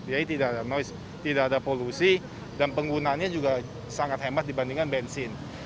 jadi tidak ada noise tidak ada polusi dan penggunanya juga sangat hemat dibandingkan bensin